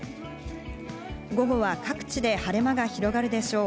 午後は各地で晴れ間が広がるでしょう。